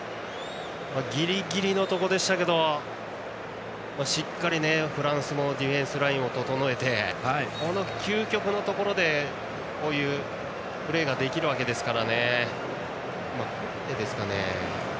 ギリギリのところでしたがしっかりフランスもディフェンスラインを整えてこの究極のところでこういうプレーができるわけですから。